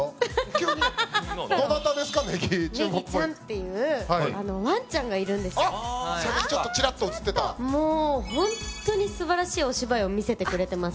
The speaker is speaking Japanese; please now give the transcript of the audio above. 急にどなたですかネギネギちゃんっていうワンちゃんがいるんですよあっさっきちらっと映ってたもうホントにすばらしいお芝居を見せてくれてます